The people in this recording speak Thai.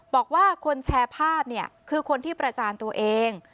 บอกว่าคนแชร์ภาพเนี่ยคือคนที่ประจานตัวเอง